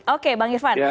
oke bang irvan